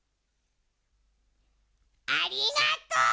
ありがとう。